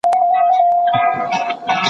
که وخت وي ليکلي پاڼي ترتيب کوم